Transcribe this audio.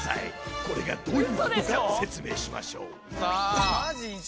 これがどういうことか説明しましょう。